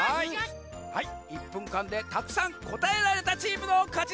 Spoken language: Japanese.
はい１ぷんかんでたくさんこたえられたチームのかちざんす！